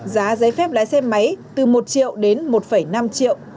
giá giấy phép lái xe máy từ một triệu đến một năm triệu